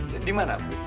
jadi mana bu